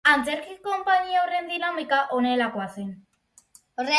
Antzerki konpainia horren dinamika honelakoa zen.